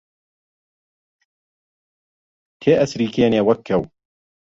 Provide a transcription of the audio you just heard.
تێئەچریکێنێ وەک کەو